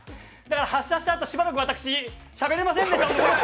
発射したあと、しばらく私、しゃべれませんでした。